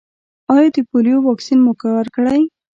ایا د پولیو واکسین مو ورکړی؟